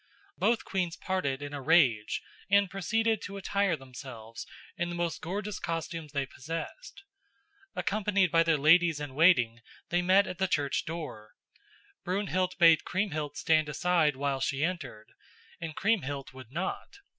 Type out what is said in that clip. Both queens parted in a rage and proceeded to attire themselves in the most gorgeous costumes they possessed. Accompanied by their ladies in waiting they met at the church door. Brunhild bade Kriemhild stand aside while she entered, and Kriemhild would not.